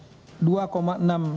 densus tipikor yang ke dua